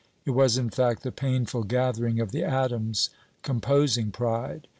It was in fact the painful gathering of the atoms composing pride.